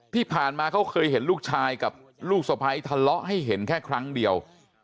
ที่ผ่านมาเขาเคยเห็นลูกชายกับลูกสะพ้ายทะเลาะให้เห็นแค่ครั้งเดียว